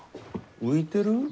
浮いてる？